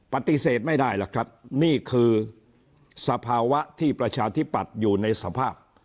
ปฏิเสธไม่ได้หรอกครับนี่คือสภาวะที่ประชาธิปัตย์อยู่ในสภาพ